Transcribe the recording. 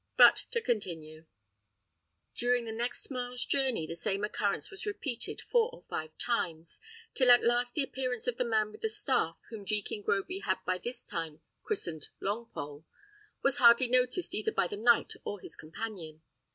But to continue. During the next mile's journey, the same occurrence was repeated four or five times, till at last the appearance of the man with the staff, whom Jekin Groby had by this time christened Longpole, was hardly noticed either by the knight or his companion.